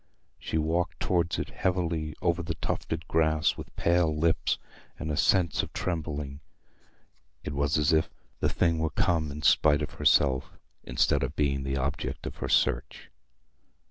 She walked towards it heavily over the tufted grass, with pale lips and a sense of trembling. It was as if the thing were come in spite of herself, instead of being the object of her search.